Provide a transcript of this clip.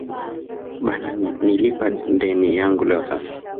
Bana nilipa ndeni yangu leo sasa